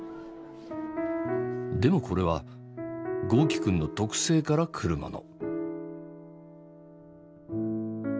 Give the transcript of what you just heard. でもこれは豪輝くんの特性から来るもの。